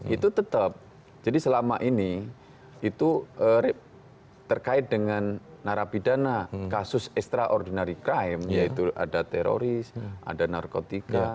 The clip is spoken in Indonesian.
itu tetap jadi selama ini itu terkait dengan narapidana kasus extraordinary crime yaitu ada teroris ada narkotika